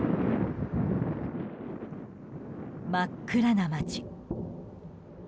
真っ暗な街。